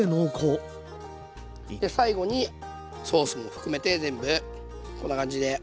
で最後にソースも含めて全部こんな感じで。